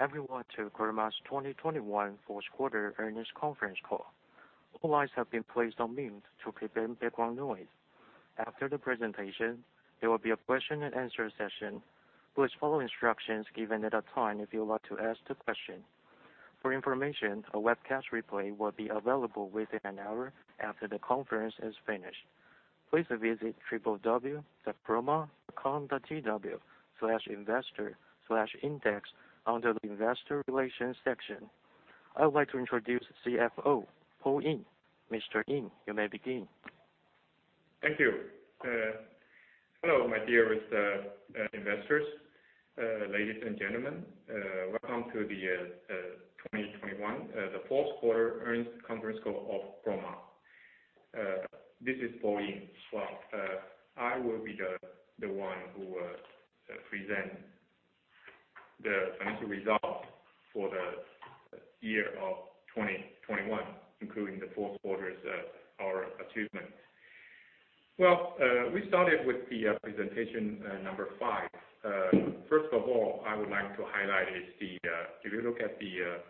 Welcome everyone to Chroma's 2021 fourth quarter earnings conference call. All lines have been placed on mute to prevent background noise. After the presentation, there will be a question and answer session. Please follow instructions given at that time if you would like to ask the question. For information, a webcast replay will be available within an hour after the conference is finished. Please visit www.chroma.com.tw/investor/index under the Investor Relations section. I would like to introduce CFO Paul Ying. Mr. Ying, you may begin. Thank you. Hello, my dearest investors, ladies and gentlemen. Welcome to the 2021 fourth quarter earnings conference call of Chroma. This is Paul Yin. Well, I will be the one who will present the financial results for the year of 2021, including the fourth quarter's our achievement. Well, we started with the presentation number five. First of all, I would like to highlight is the, if you look at the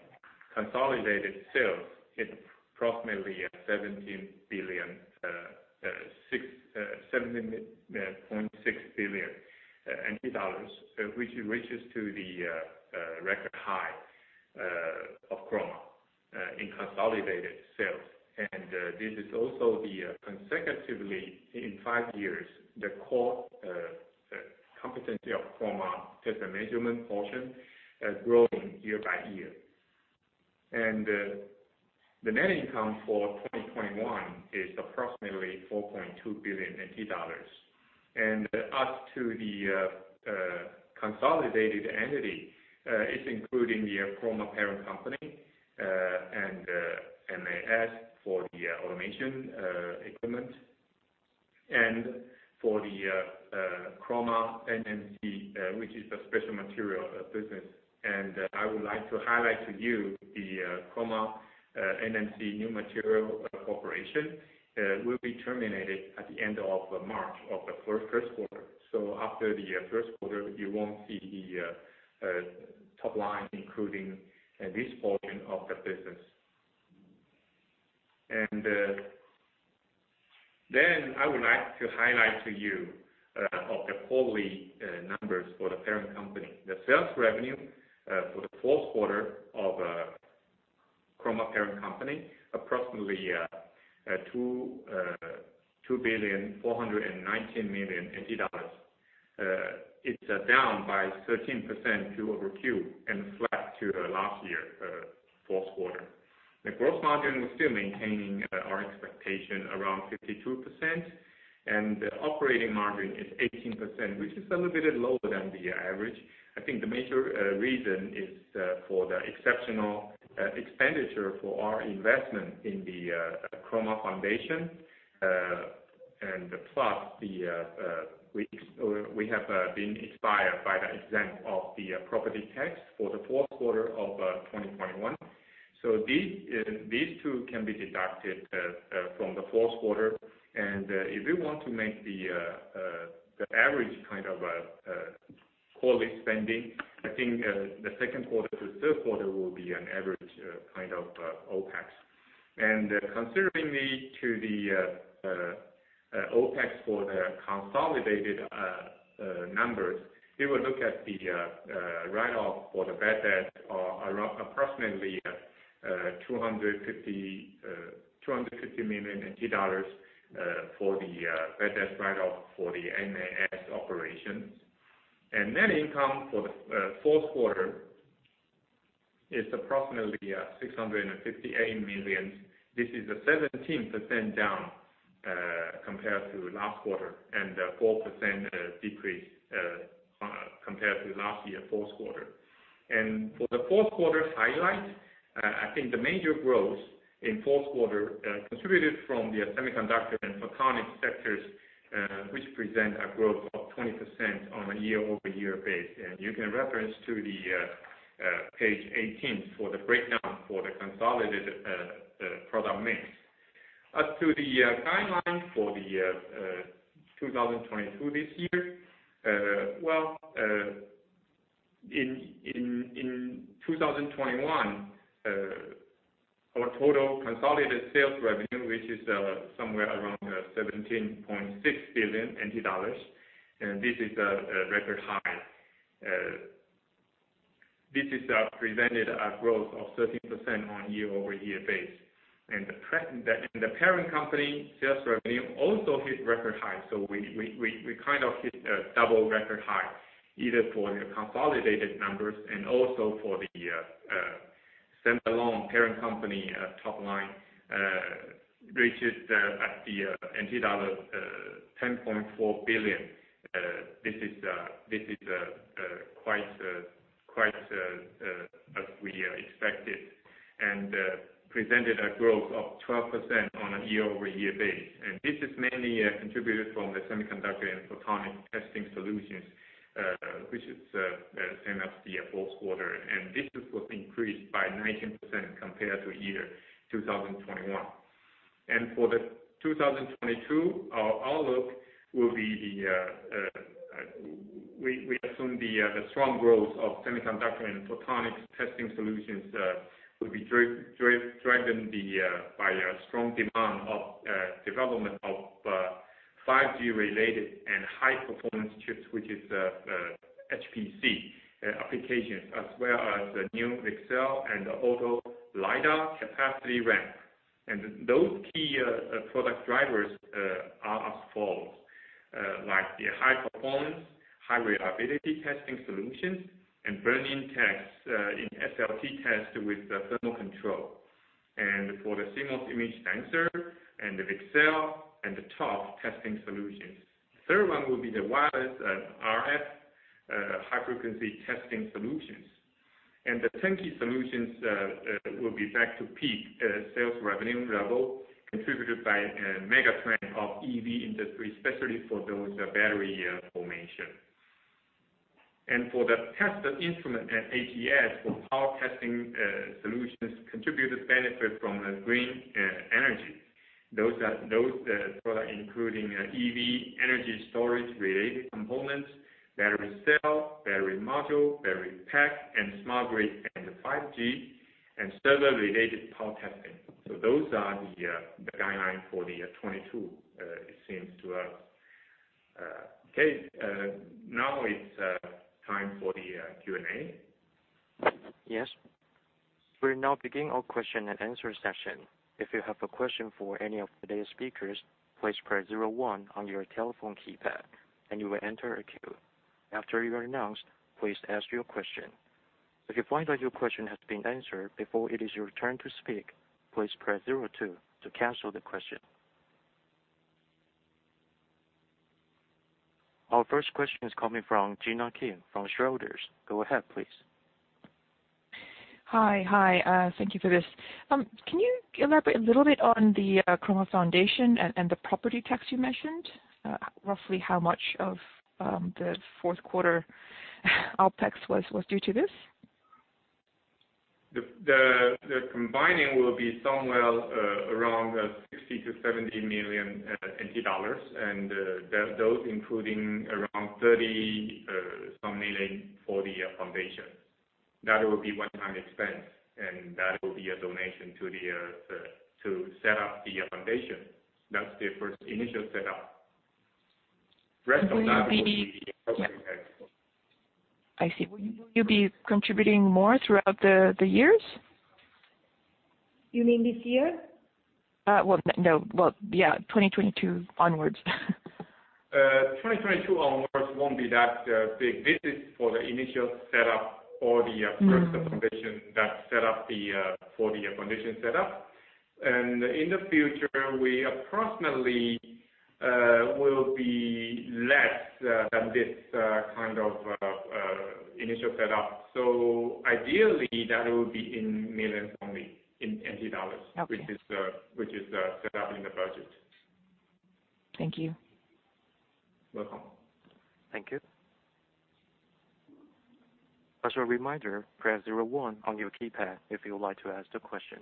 consolidated sales, it's approximately 17.6 billion NT dollars, which reaches to the record high of Chroma in consolidated sales. This is also consecutively in five years, the core competency of Chroma test and measurement portion has grown year by year. The net income for 2021 is approximately 4.2 billion NT dollars. As to the consolidated entity, it's including the Chroma parent company, and MAS for the automation equipment, and for the Chroma NMC, which is a special material business. I would like to highlight to you the Chroma NMC new material corporation will be terminated at the end of March of the first quarter. After the first quarter, you won't see the top line, including this portion of the business. I would like to highlight to you of the full numbers for the parent company. The sales revenue for the fourth quarter of Chroma parent company, approximately two billion four hundred and nineteen million NT dollars. It's down by 13% quarter-over-quarter and flat to last year fourth quarter. The gross margin, we're still maintaining our expectation around 52%, and the operating margin is 18%, which is a little bit lower than the average. I think the major reason is for the exceptional expenditure for our investment in the Chroma Foundation and the exemption of the property tax for the fourth quarter of 2021. These two can be deducted from the fourth quarter. If you want to make the average kind of quarterly spending, I think the second quarter to third quarter will be an average kind of OPEX. Considering the OPEX for the consolidated numbers, if we look at the write-off for the bad debt are around approximately TWD 250 million for the bad debt write-off for the MAS operations. Net income for the fourth quarter is approximately 658 million. This is a 17% down compared to last quarter and a 4% decrease compared to last year fourth quarter. For the fourth quarter highlight, I think the major growth in fourth quarter contributed from the semiconductor and photonic sectors, which present a growth of 20% on a year-over-year basis. You can refer to the page 18 for the breakdown of the consolidated product mix. To the guidance for 2022 this year, well, in 2021, our total consolidated sales revenue, which is somewhere around 17.6 billion NT dollars, and this is a record high. This represents a growth of 13% on year-over-year basis. The parent company sales revenue also hit record high. We kind of hit a double record high, both for the consolidated numbers and also for the standalone parent company top line, reaches at the 10.4 billion. This is quite as we expected and presented a growth of 12% on a year-over-year basis. This is mainly contributed from the semiconductor and photonic testing solutions, which is same as the fourth quarter. This was increased by 19% compared to 2021. For 2022, our outlook will be we assume the strong growth of semiconductor and photonics testing solutions will be driven by a strong demand of development of 5G related and high performance chips, which is HPC applications as well as the new VCSEL and auto LiDAR capacity ramp. Those key product drivers are as follows. Like the high performance, high reliability testing solutions and burn-in tests in SLT test with the thermal control. For the CMOS image sensor and the VCSEL and the optical testing solutions. Third one will be the wireless RF high-frequency testing solutions. The turnkey solutions will be back to peak sales revenue level contributed by a mega trend of EV industry, especially for those battery formation. For the test instrument for ATE, for power testing solutions contributors benefit from the green energy. Those are the products including EV energy storage related components, battery cell, battery module, battery pack, and smart grid and 5G and server related power testing. Those are the guidelines for 2022, it seems to us. Okay. Now it's time for the Q&A. Yes. We now begin our question and answer session. If you have a question for any of the speakers, please press zero-one on your telephone keypad, and you will enter a queue. After you are announced, please ask your question. If you find that your question has been answered before it is your turn to speak, please press zero-two to cancel the question. Our first question is coming from Gina Kim from Schroders. Go ahead, please. Thank you for this. Can you elaborate a little bit on the Chroma Foundation and the property tax you mentioned? Roughly how much of the fourth quarter OPEX was due to this? The combining will be somewhere around 60 million-70 million NT dollars. Those including around 30-some million for the foundation. That will be one-time expense, and that will be a donation to set up the foundation. That's the first initial setup. Rest of that will be I see. Will you be contributing more throughout the years? You mean this year? Well, yeah, 2022 onwards. 2022 onwards won't be that big. This is for the initial setup for the Mm. The first foundation that set up for the foundation set up. In the future, we approximately will be less than this kind of initial setup. Ideally, that will be in millions only in New Taiwan dollars. Okay. Which is set up in the budget. Thank you. Welcome. Thank you. As a reminder, press zero one on your keypad if you would like to ask the question.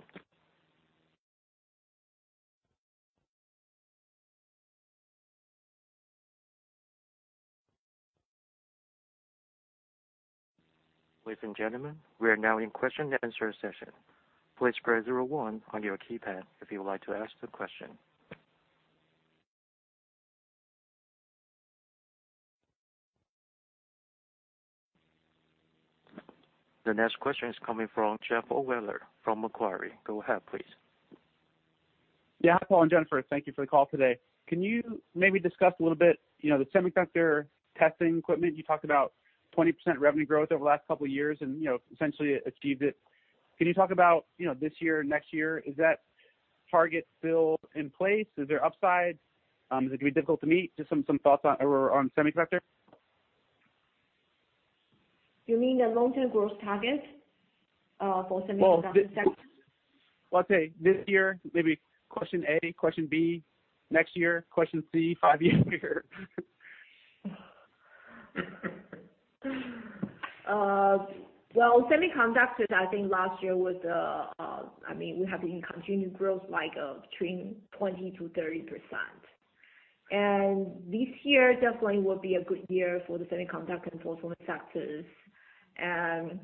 Ladies and gentlemen, we are now in question and answer session. Please press zero one on your keypad if you would like to ask the question. The next question is coming from Jeff Ohlweiler from Macquarie. Go ahead, please. Yeah. Paul and Jennifer, thank you for the call today. Can you maybe discuss a little bit, you know, the semiconductor testing equipment? You talked about 20% revenue growth over the last couple of years and, you know, essentially achieved it. Can you talk about, you know, this year, next year, is that target still in place? Is there upside? Is it gonna be difficult to meet? Just some thoughts on semiconductor. You mean the long-term growth target for semiconductor sector? Well, I'd say this year, maybe question A, question B, next year, question C, five years. Semiconductors, I think last year was, I mean, we have been continuing growth like between 20%-30%. This year definitely will be a good year for the semiconductor and photonics sectors.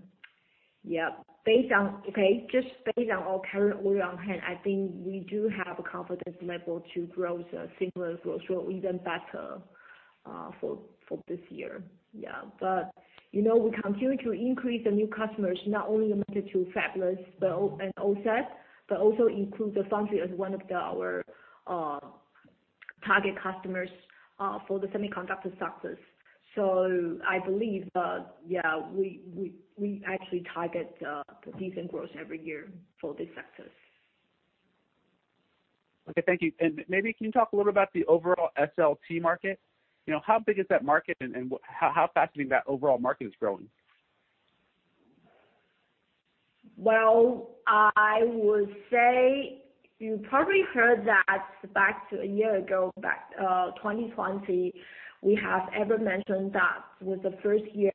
Just based on our current order on hand, I think we do have a confidence level to grow the similar growth or even better for this year. You know, we continue to increase the new customers, not only limited to fabless and OSAT, but also include the foundry as one of our target customers for the semiconductor sectors. I believe, we actually target decent growth every year for these sectors. Okay. Thank you. Maybe can you talk a little about the overall SLT market? You know, how big is that market and how fast do you think that overall market is growing? Well, I would say you probably heard that back to a year ago, 2020, we have ever mentioned that with the first year,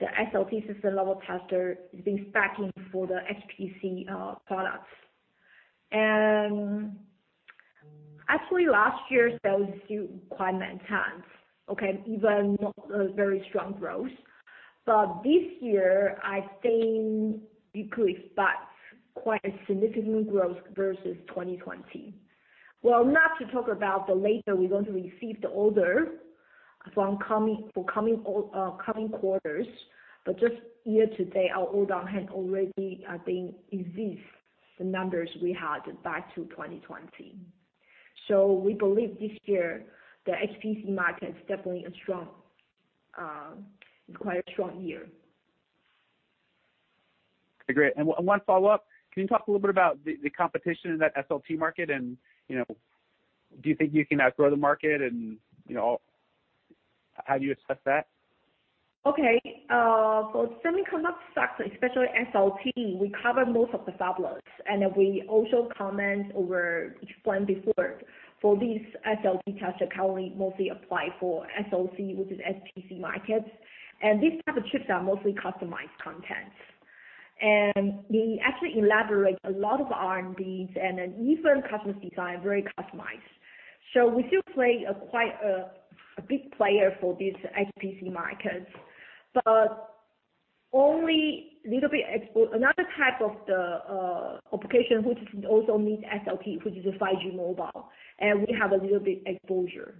the SLT system level tester is being stacking for the HPC products. Actually, last year sales still quite maintain. Okay? Even not a very strong growth. This year, I think we could expect quite a significant growth versus 2020. Well, not to talk about the latter we're going to receive the order from coming quarters. Just year to date, our order on hand already, I think, exceeds the numbers we had back to 2020. We believe this year, the HPC market is definitely a strong, quite a strong year. Great. One follow-up. Can you talk a little bit about the competition in that SLT market? You know, do you think you can outgrow the market? You know, how do you assess that? Okay. For semiconductor stocks, especially SLT, we cover most of the fabless. We also comment over, explained before, for these SLT tester currently mostly apply for SOC, which is HPC markets. This type of chips are mostly customized content. We actually allocate a lot of R&D and then even customers design very customized. We still are quite a big player for this HPC market. Only a little bit another type of the application which also needs SLT, which is the 5G mobile, and we have a little bit exposure.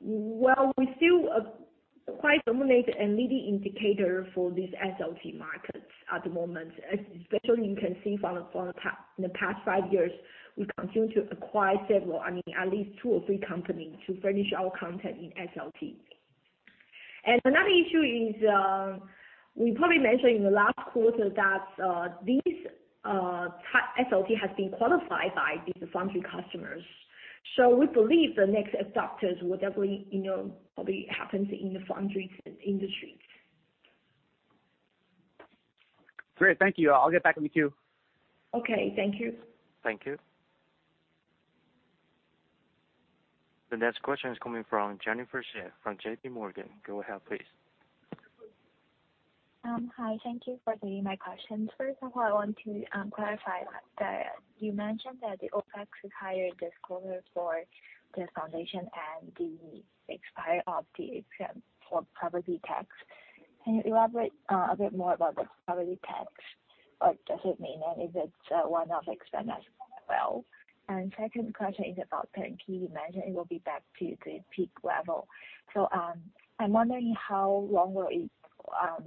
Well, we're still quite dominant and leading indicator for this SLT market at the moment, especially you can see from the past five years, we continue to acquire several, I mean, at least two or three companies to furnish our content in SLT. Another issue is, we probably mentioned in the last quarter that this SLT has been qualified by these foundry customers. We believe the next adopters will definitely, you know, probably happen in the foundry industry. Great. Thank you. I'll get back in the queue. Okay. Thank you. Thank you. The next question is coming from Jennifer Tseng from JP Morgan. Go ahead, please. Hi. Thank you for taking my questions. First of all, I want to clarify that you mentioned that the OPEX required disclosure for the foundation and the expiry of the tax-exempt for property tax. Can you elaborate a bit more about the property tax? What does it mean, and is it one of expense as well? Second question is about turnkey. You mentioned it will be back to the peak level. I'm wondering how long will it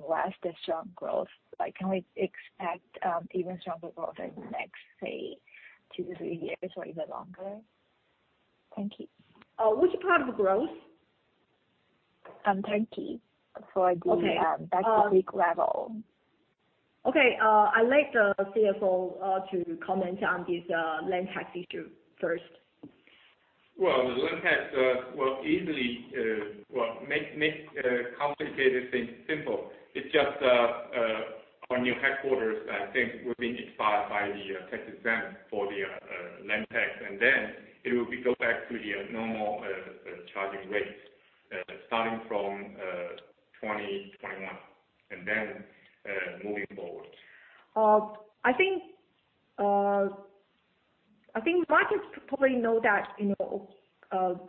last the strong growth? Like, can we expect even stronger growth in the next, say, two to three years or even longer? Thank you. Which part of the growth? turnkey for the- Okay. back to peak level. Okay. I let the CFO to comment on this land tax issue first. The land tax easily makes complicated things simple. It's just our new headquarters, I think, the tax exemption for the land tax will expire, and then it will go back to the normal charging rates starting from 2021 and then moving forward. I think markets probably know that, you know,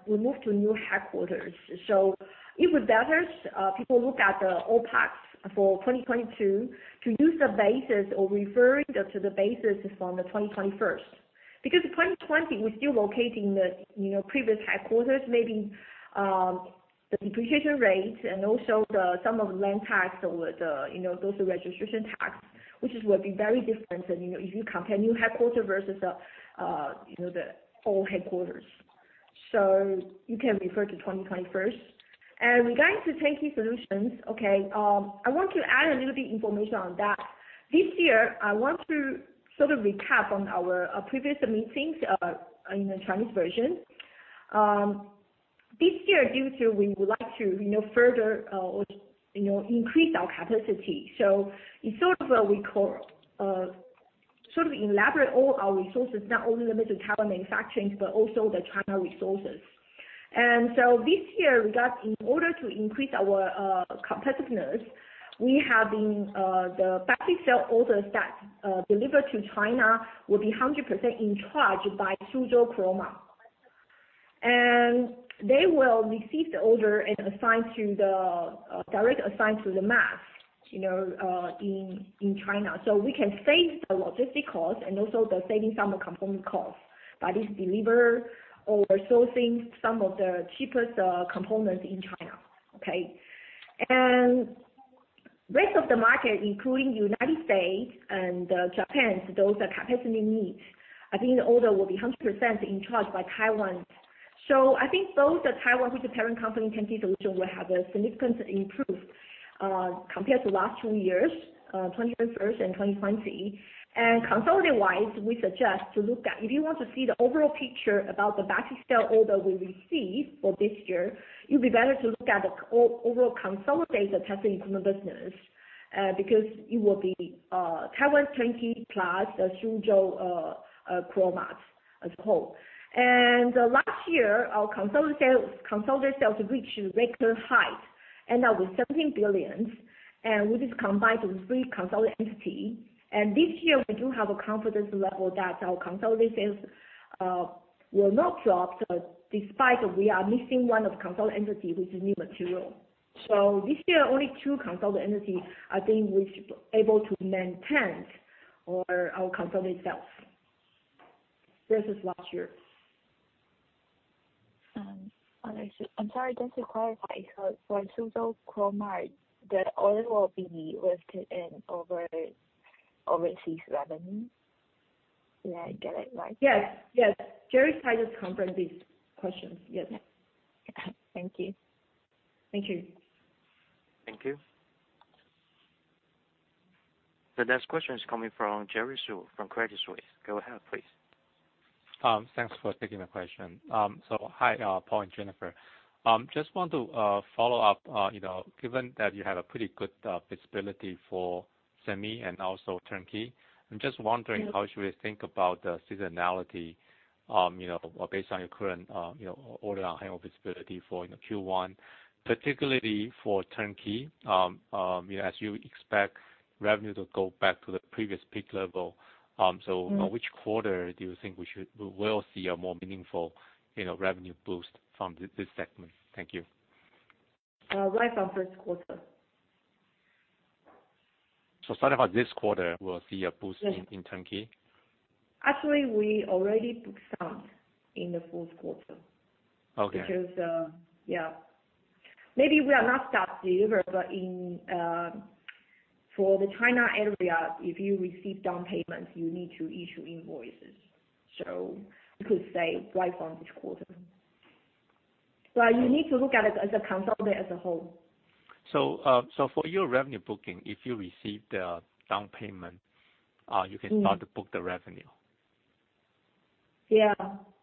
we moved to a new headquarters. It would be better people look at the OPEX for 2022 to use the basis or referring to the basis from the 2021. Because 2020, we were still located in the, you know, previous headquarters, maybe the depreciation rate and also the land tax or the, you know, those registration tax, which would be very different than, you know, if you compare new headquarters versus the, you know, the old headquarters. You can refer to 2021. Regarding turnkey solutions, I want to add a little bit information on that. This year, I want to sort of recap on our previous meetings in the Chinese version. This year, due to we would like to, you know, further, you know, increase our capacity. It's sort of elaborate all our resources, not only limited to Taiwan manufacturing, but also the China resources. This year, in order to increase our competitiveness, we have the battery cell orders that deliver to China will be 100% in charge by Suzhou Chroma. They will receive the order and directly assign to the MAS, you know, in China. We can save the logistic cost and also saving some of component costs by this delivery or sourcing some of the cheapest components in China. Okay. Rest of the market, including United States and Japan, those are capacity needs. I think the order will be 100% in charge by Taiwan. I think those are Taiwan, which the parent company turnkey solution will have a significant improvement compared to last two years, 2021 and 2020. Consolidated-wise, we suggest to look at if you want to see the overall picture about the battery cell order we receive for this year, you'll be better to look at the overall consolidated testing instrument business, because it will be Taiwan's turnkey plus the Suzhou Chroma as a whole. Last year, our consolidated sales reached record high. Ended up with TWD 17 billion, and with this combined with three consolidated entities. This year, we do have a confidence level that our consolidated sales will not drop. Despite we are missing one consolidated entity, which is new material. This year, only two consolidated entities, I think we should be able to maintain our consolidated sales versus last year. I'm sorry, just to clarify. For Suzhou Chroma, that all will be listed in overseas revenue? Did I get it right? Yes. Yes. Jerry can just confirm this question. Yes. Thank you. Thank you. Thank you. The next question is coming from Jerry Su from Credit Suisse. Go ahead, please. Thanks for taking the question. Hi, Paul and Jennifer. I just want to follow up, you know, given that you have a pretty good visibility for semi and also turnkey. I'm just wondering- Mm-hmm. How should we think about the seasonality, you know, based on your current, you know, order on hand or visibility for, you know, Q1? Particularly for turnkey, you know, as you expect revenue to go back to the previous peak level. Mm-hmm. Which quarter do you think we will see a more meaningful, you know, revenue boost from this segment? Thank you. Right from first quarter. Starting from this quarter, we'll see a boost. Yes. in turnkey? Actually, we already booked some in the fourth quarter. Okay. Because, yeah. Maybe we are not start deliver, but in, for the China area, if you receive down payments, you need to issue invoices. We could say right from this quarter. You need to look at it as a consolidated as a whole. for your revenue booking, if you receive the down payment, you can start to book the revenue? Yeah.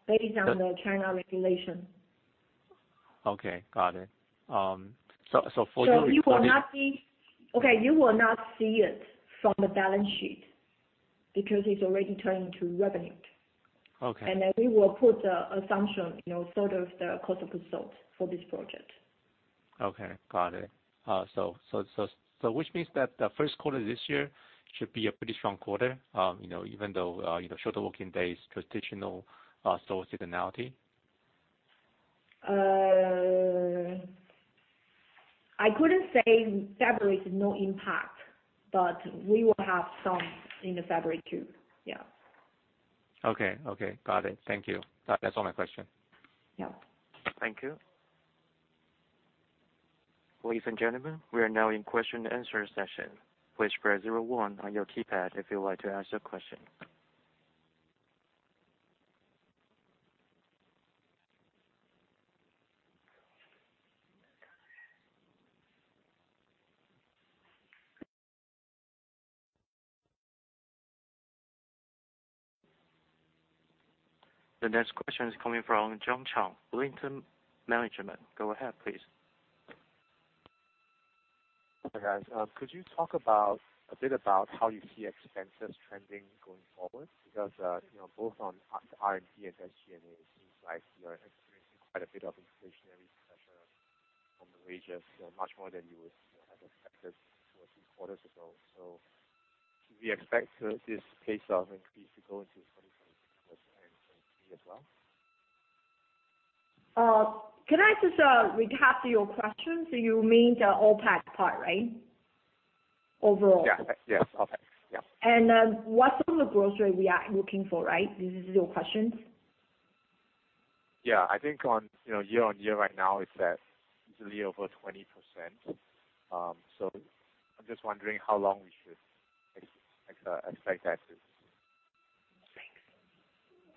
Based on the China regulation. Okay. Got it. For your- You will not see it from the balance sheet because it's already turned into revenue. Okay. We will put the assumption, you know, sort of the cost of consulting for this project. Okay. Got it. Which means that the first quarter this year should be a pretty strong quarter, you know, even though, you know, shorter working days, traditional, solar seasonality? I couldn't say February has no impact, but we will have some in February too. Yeah. Okay. Got it. Thank you. That's all my question. Yeah. Thank you. Ladies and gentlemen, we are now in question and answer session. Please press zero one on your keypad if you would like to ask your question. The next question is coming from John Chang, Inveest. Go ahead, please. Hi, guys. Could you talk a bit about how you see expenses trending going forward? Because, you know, both on R&D and SG&A, it seems like you're experiencing quite a bit of inflationary pressure from the wages, much more than you would have expected two or three quarters ago. Should we expect this pace of increase to go into 2021 as well? Can I just recap your question? You mean the OPEX part, right? Overall. Yeah. Yes. OpEx. Yeah. What's on the growth rate we are looking for, right? This is your question. Yeah. I think on, you know, year-on-year right now it's at easily over 20%. So I'm just wondering how long we should expect that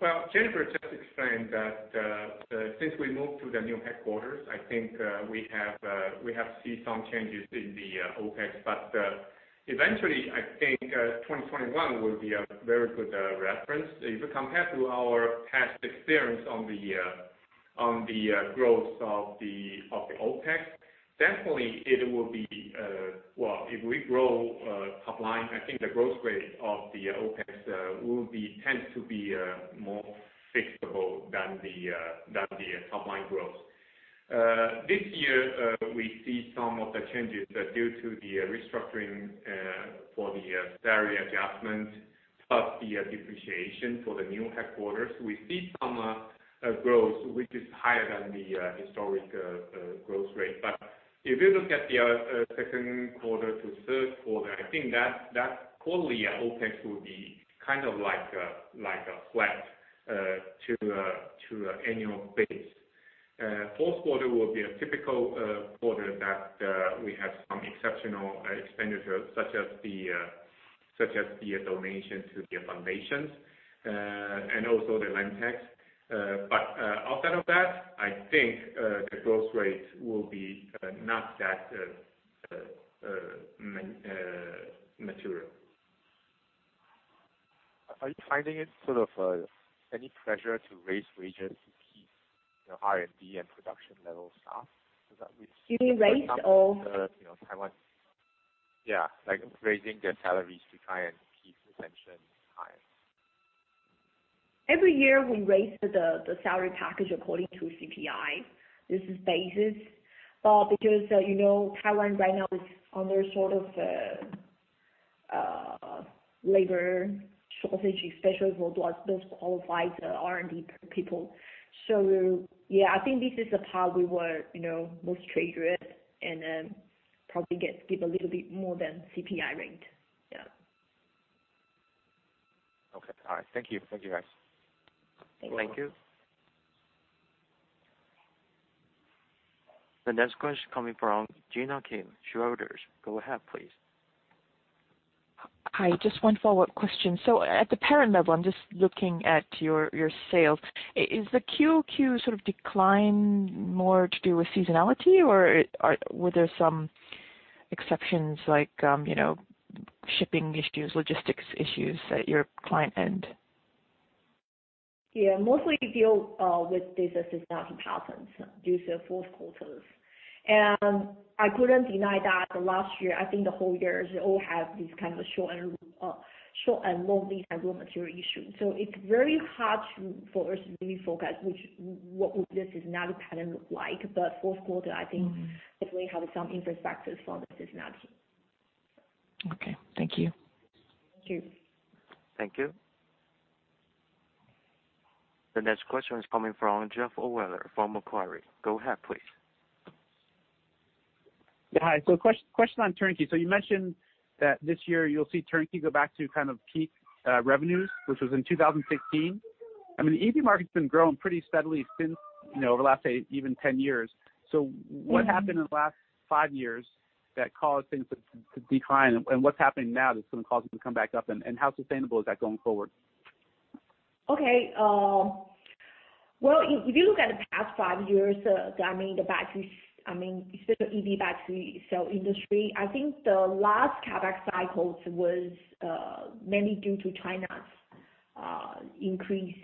to stay. Well, Jennifer just explained that, since we moved to the new headquarters, I think, we have seen some changes in the OPEX. Eventually, I think, 2021 will be a very good reference. If you compare to our past experience on the growth of the OPEX, definitely it will be. Well, if we grow top line, I think the growth rate of the OPEX tends to be more flexible than the top line growth. This year, we see some of the changes due to the restructuring for the salary adjustment, plus the depreciation for the new headquarters. We see some growth which is higher than the historic growth rate. If you look at the second quarter to third quarter, I think that quarterly OpEx will be kind of like a flat to an annual base. Fourth quarter will be a typical quarter that we have some exceptional expenditure such as the donation to the foundations and also the land tax. Outside of that, I think the growth rate will be not that material. Are you finding it sort of, any pressure to raise wages to keep, you know, R&D and production level staff? Is that- You mean raise or You know, Taiwan. Yeah, like raising their salaries to try and keep retention. Every year we raise the salary package according to CPI. This is basic. Because, you know, Taiwan right now is under sort of labor shortage, especially for well, those qualified R&D people. Yeah, I think this is the part we were, you know, most trouble with, and probably give a little bit more than CPI rate. Yeah. Okay. All right. Thank you. Thank you, guys. Thank you. Thank you. The next question coming from Gina Kim, Schroders. Go ahead, please. Hi. Just one follow-up question. At the parent level, I'm just looking at your sales. Is the QoQ sort of decline more to do with seasonality or were there some exceptions like, you know, shipping issues, logistics issues at your client end? Yeah. Mostly deal with this seasonality patterns due to fourth quarters. I couldn't deny that last year, I think the whole years all have this kind of short and long lead time raw material issue. It's very hard for us to really forecast what this seasonality pattern would look like. Fourth quarter, I think- Mm-hmm. Definitely have some infrastructure for the seasonality. Okay. Thank you. Thank you. Thank you. The next question is coming from Jeff Ohlweiler from Macquarie. Go ahead, please. Yeah. Hi. Question on turnkey. You mentioned that this year you'll see turnkey go back to kind of peak revenues, which was in 2016. I mean, the EV market's been growing pretty steadily since, you know, over the last, say, even 10 years. What happened in the last five years that caused things to decline? What's happening now that's gonna cause it to come back up? How sustainable is that going forward? Okay, well, if you look at the past five years, I mean, especially EV battery cell industry, I think the last CapEx cycles was mainly due to China's increase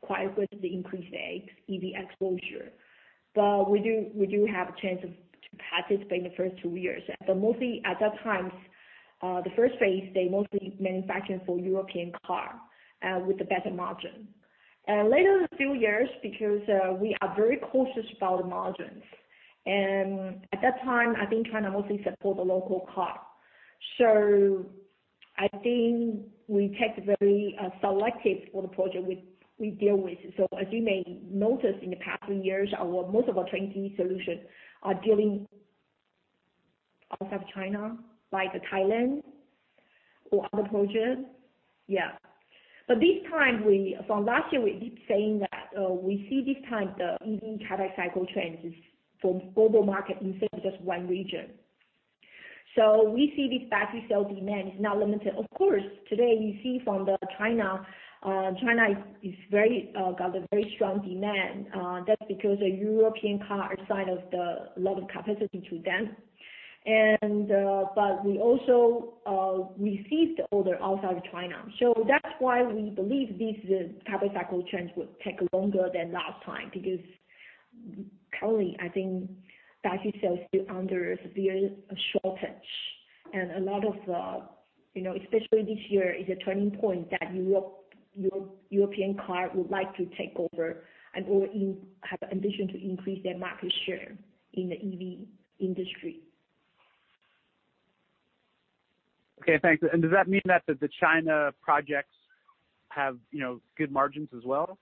quite quickly their EV exposure. We do have a chance to participate in the first two years. Mostly at that times, the first phase, they mostly manufacturing for European car with the better margin. Later a few years because we are very cautious about the margins, and at that time I think China mostly support the local car. I think we take very selective for the project we deal with. As you may notice in the past two years, most of our turnkey solutions are dealing outside of China, like Thailand or other projects. Yeah. From last year, we keep saying that we see this time the EV CapEx cycle trends is for global market instead of just one region. We see this battery cell demand is now limited. Of course, today we see from China has got a very strong demand. That's because the European car assigned a lot of capacity to them. But we also received the order outside of China. That's why we believe the CapEx cycle trends would take longer than last time because currently, I think battery cells still under severe shortage. A lot of you know, especially this year, is a turning point that European car would like to take over or have ambition to increase their market share in the EV industry. Okay. Thanks. Does that mean that the China projects have, you know, good margins as well?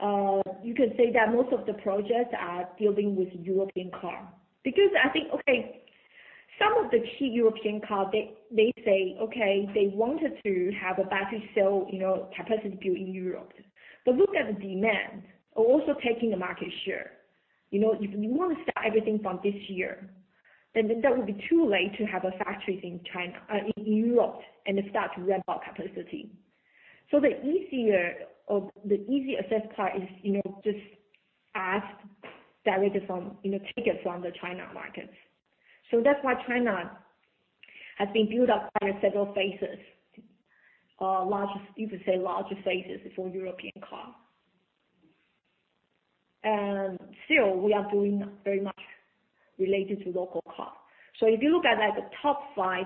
You can say that most of the projects are dealing with European car. Because I think, some of the key European car, they say, they wanted to have a battery cell, you know, capacity built in Europe. But look at the demand, also taking the market share. You know, if you wanna start everything from this year, then that would be too late to have a factory in China, in Europe and start to ramp up capacity. So the easier or the easy access part is, you know, just ask directly from, you know, take it from the China markets. So that's why China has been built up by several phases, large, you could say larger phases for European car. Still, we are doing very much related to local car. If you look at like the top five,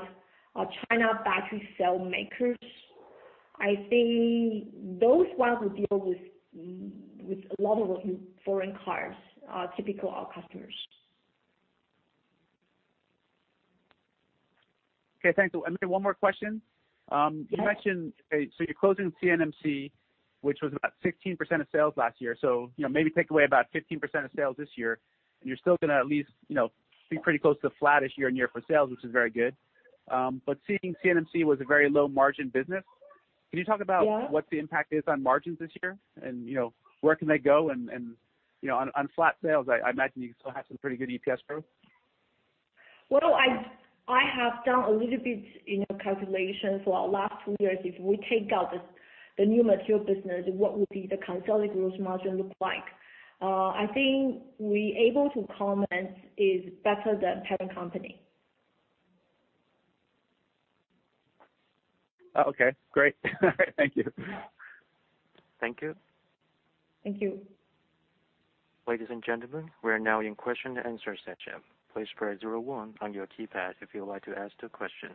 China battery cell makers, I think those ones who deal with a lot of foreign cars are typically our customers. Okay. Thanks. Maybe one more question. Yeah. You mentioned, okay, so you're closing NMC, which was about 16% of sales last year. You know, maybe take away about 15% of sales this year, and you're still gonna at least, you know, be pretty close to flatish year-on-year for sales, which is very good. But seeing NMC was a very low margin business. Yeah. Can you talk about what the impact is on margins this year and, you know, where can they go and, you know, on flat sales, I imagine you can still have some pretty good EPS growth? Well, I have done a little bit, you know, calculation for our last two years. If we take out the new material business, what would be the consolidated gross margin look like? I think we able to comment is better than parent company. Oh, okay. Great. Thank you. Yeah. Thank you. Thank you. Ladies and gentlemen, we are now in question and answer session. Please press zero one on your keypad if you would like to ask a question.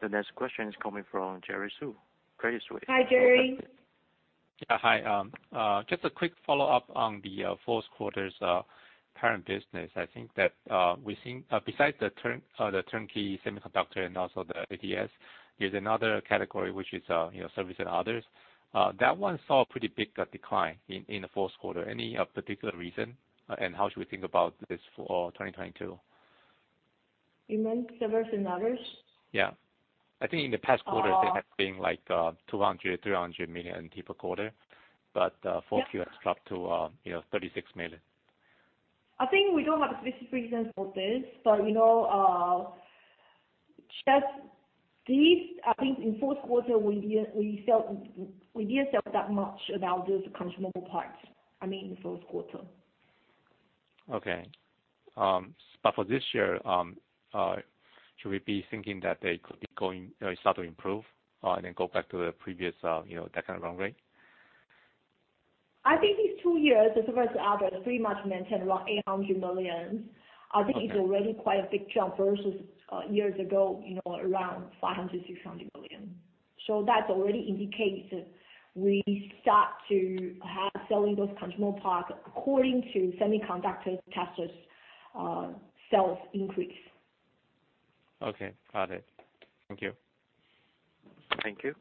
The next question is coming from Jerry Su, Credit Suisse. Hi, Jerry. Yeah, hi. Just a quick follow-up on the fourth quarter's current business. I think that we've seen besides the turnkey semiconductor and also the ATEs, there's another category which is, you know, service and others. That one saw a pretty big decline in the fourth quarter. Any particular reason? And how should we think about this for 2022? You meant service and others? Yeah. I think in the past quarter. Uh- They have been like 200-300 million NT per quarter. But Yeah. Fourth quarter it dropped to, you know, 36 million. I think we don't have a specific reason for this. You know, just these. I think in fourth quarter we didn't sell that much about those consumable parts. I mean, in the fourth quarter. Okay. For this year, should we be thinking that they could be going, you know, start to improve, and then go back to the previous, you know, that kind of run rate? I think these two years, the service and others pretty much maintained around 800 million. Okay. I think it's already quite a big jump versus years ago, you know, around 500 million-600 million. That already indicates that we start to have selling those consumable parts according to semiconductor testers sales increase. Okay. Got it. Thank you. Thank you.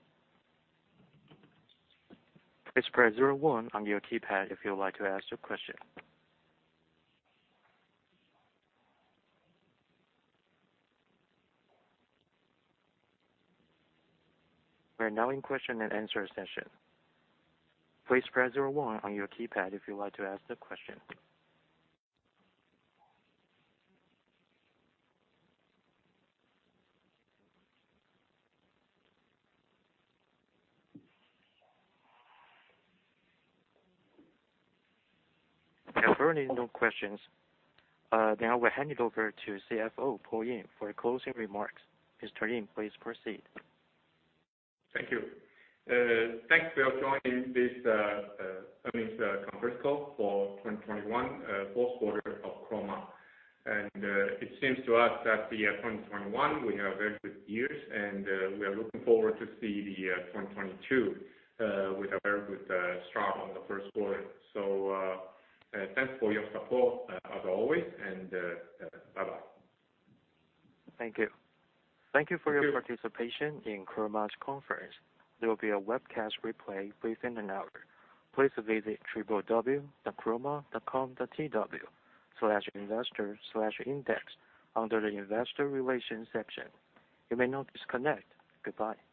We are now in question and answer session. There are currently no questions. Now we'll hand it over to CFO Paul Ying for the closing remarks. Mr. Ying, please proceed. Thank you. Thanks for joining this earnings conference call for 2021 fourth quarter of Chroma. It seems to us that 2021 we have very good years and we are looking forward to see 2022 with a very good start on the first quarter. Thanks for your support as always and bye-bye. Thank you. Thank you. Thank you for your participation in Chroma's conference. There will be a webcast replay within an hour. Please visit www.chroma.com.tw/investor/index under the investor relations section. You may now disconnect. Goodbye.